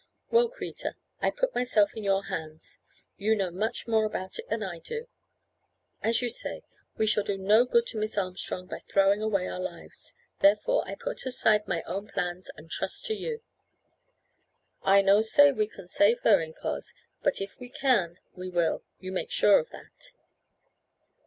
Well, Kreta, I put myself in your hands. You know much more about it than I do. As you say, we shall do no good to Miss Armstrong by throwing away our lives, therefore, I put aside my own plans and trust to you." "I no say we can save her, incos, but if we can we will. You make sure of that."